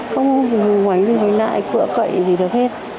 không quảnh đi quảnh lại cựa cậy gì được hết